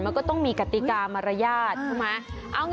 มันก็ต้องมีกติกามารยาทใช่ไหม